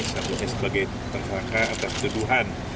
sebagai tersangka atas tuduhan